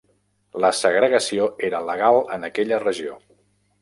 La segregació era legal en aquella regió.